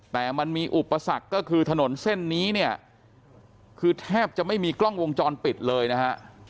แต่มันมีอุปสรรคก็คือถนนเส้นนี้เนี่ยคือแทบจะไม่มีกล้องวงจรปิดเลยนะฮะ